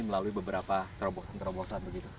melalui beberapa terobosan terobosan begitu